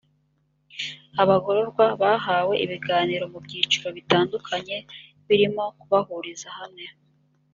abagororwa bahawe ibiganiro mu byiciro bitandukanye birimo kubahuriza hamwe